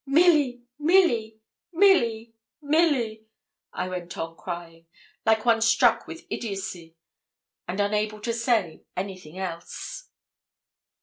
'Milly! Milly! Milly! Milly!' I went on crying, like one struck with idiotcy, and unable to say anything else.